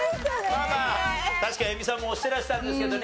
まあまあ確かに映美さんも押してらしたんですけどね